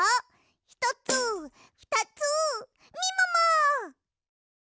ひとつふたつみもも！